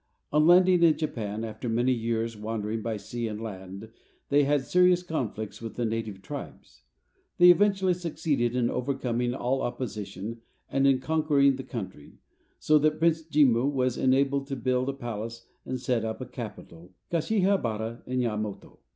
On landing in Japan, after many years wandering by sea and land, they had serious conflicts with the native tribes. They eventually succeeded in overcoming all opposition and in conquering the country, so that Prince Jimmu was enabled to build a palace and set up a capital, Kashiha bara, in Yamato.